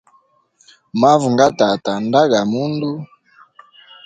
Mavu nga tata nda ga mundu.